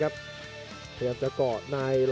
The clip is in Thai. กันต่อแพทย์จินดอร์